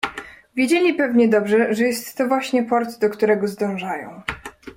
"Wiedzieli pewnie dobrze, że jest to właśnie port, do którego zdążają."